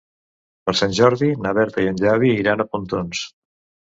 Per Sant Jordi na Berta i en Xavi iran a Pontons.